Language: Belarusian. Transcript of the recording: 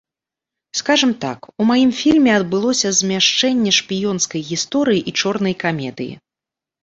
Скажам так, у маім фільме адбылося змяшэнне шпіёнскай гісторыі і чорнай камедыі.